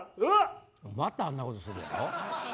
またあんなことするやろ。